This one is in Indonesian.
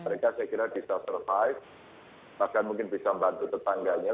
mereka saya kira bisa survive bahkan mungkin bisa membantu tetangganya